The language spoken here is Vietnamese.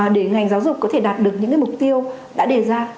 để ngành giáo dục có thể đạt được những mục tiêu đã đề ra